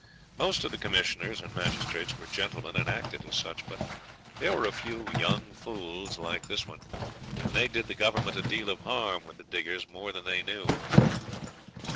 Most of the commissioners and magistrates were gentlemen and acted as such; but there were a few young fools like this one, and they did the Government a deal of harm with the diggers more than they knew.